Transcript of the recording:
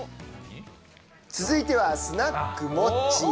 続いてはスナックモッチー。